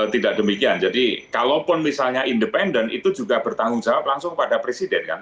tidak demikian jadi kalaupun misalnya independen itu juga bertanggung jawab langsung pada presiden kan